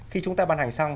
khi chúng ta bàn hành xong